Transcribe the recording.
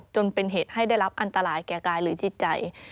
จนเป็นเหตุให้ได้รับอันตรายแก่กายหรือจิตใจ